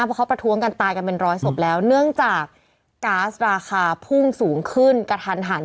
เพราะเขาประท้วงกันตายกันเป็นร้อยศพแล้วเนื่องจากก๊าซราคาพุ่งสูงขึ้นกระทันหัน